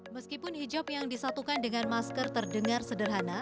meskipun hijab yang disatukan dengan masker terdengar sederhana